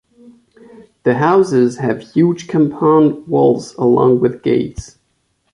The houses have huge compound walls along with gates.